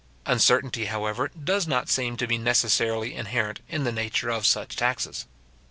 Uncertainty, however, does not seem to be necessarily inherent in the nature of such taxes.